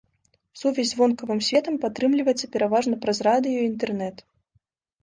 Сувязь з вонкавым светам падтрымліваецца пераважна праз радыё і інтэрнэт.